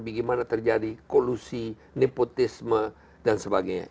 bagaimana terjadi kolusi nepotisme dan sebagainya